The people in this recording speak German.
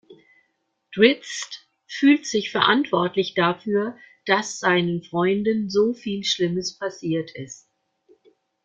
Drizzt fühlt sich verantwortlich dafür, dass seinen Freunden so viel Schlimmes passiert ist.